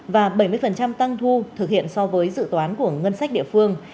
và bảy mươi tăng thu thực hiện so với dự toán của ngân sách địa phương